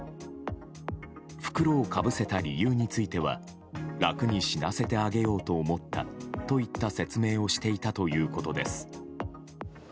袋をかぶせた理由については楽に死なせてあげようと思ったといった説明をしていたということです。